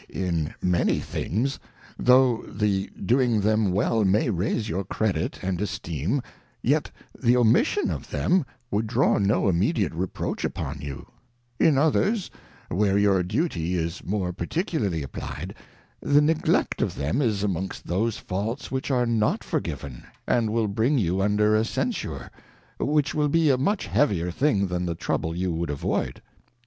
In many things, though the doing them well may raise your Credit and Esteem, yet the omission of them would draw no immediate reproach upon you : In others, where your duty is more particularly applyed, the neglect of them is amongst those Faults which are not forgiven, and will bring you under a Censure, which will be a much heavier thing than the trouble you would avoid.